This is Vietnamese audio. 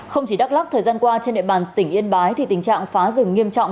không chỉ đắk lắc thời gian qua trên địa bàn tỉnh yên bái thì tình trạng phá rừng nghiêm trọng